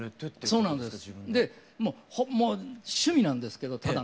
趣味なんですけどただの。